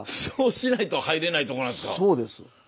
そうしないと入れないとこなんですか？